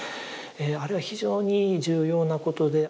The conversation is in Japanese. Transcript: あれは非常に重要なことで。